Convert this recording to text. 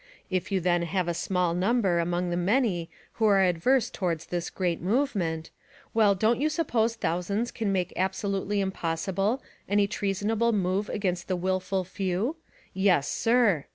If you then have a small number among the many who are adverse toward this great movement — well, don't you suppose thousands can make absolutely impossible, any treasonable move against the wilful few? Yes, sir!